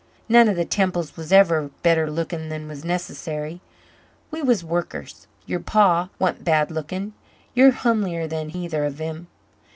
None of the Temples was ever better lookin' than was necessary. We was workers. Yer pa wa'n't bad looking. You're humlier than either of 'em.